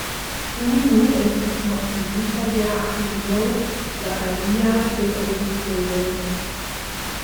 Unu estis mortigita de Aĥilo, la alia de Odiseo.